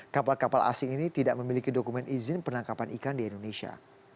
kapal kapal asing ini tidak memiliki dokumen izin penangkapan ikan di indonesia